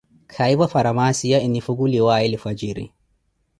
kayiivo farmaacia enifukuliwaaye lifwajiri.